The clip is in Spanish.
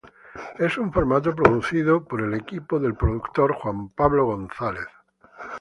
Es un formato producido por el equipo del productor Juan Pablo González.